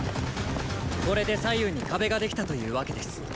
これで左右に壁ができたというわけです。